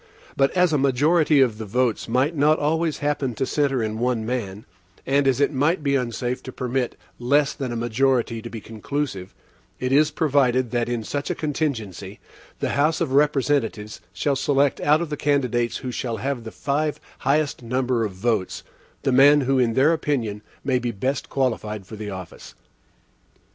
But as a majority of the votes might not always happen to centre in one man, and as it might be unsafe to permit less than a majority to be conclusive, it is provided that, in such a contingency, the House of Representatives shall select out of the candidates who shall have the five highest number of votes, the man who in their opinion may be best qualified for the office.